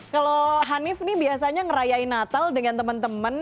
kalau hanif ini biasanya ngerayain natal dengan teman teman